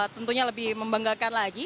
tentunya lebih membanggakan lagi